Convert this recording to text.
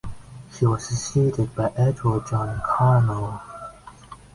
He was succeeded by Edward John Carnell.